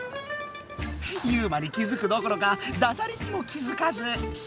ユウマに気付くどころかダジャレにも気付かず。